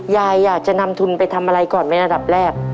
ยายอยากจะนำทุนไปทำอะไรก่อนไหมระดับแรก